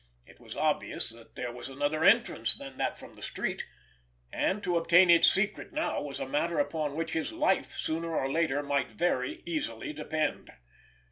It was obvious that there was another entrance than that from the street, and to obtain its secret now was a matter upon which his life, sooner or later, might very easily depend.